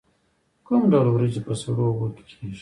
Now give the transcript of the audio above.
کوم ډول وریجې په سړو اوبو کې کیږي؟